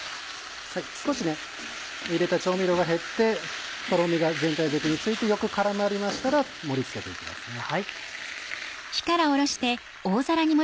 少し入れた調味料が減ってとろみが全体的についてよく絡まりましたら盛り付けて行きますね。